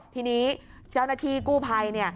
ทีนี้เจ้าหน้าที่กู้ภัย